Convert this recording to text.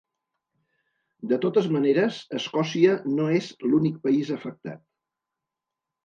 De totes maneres, Escòcia no és l’únic país afectat.